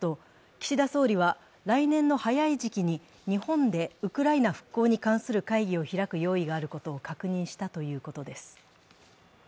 岸田総理は、来年の早い時期に日本でウクライナ復興に関する会議を開く用意があることを確認したということです。